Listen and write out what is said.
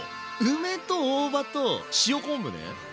梅と大葉と塩昆布ね。